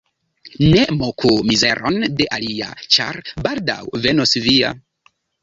Ne moku mizeron de alia, ĉar baldaŭ venos via.